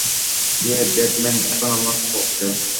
ইয়ে, dead man এখন আমার পক্ষে!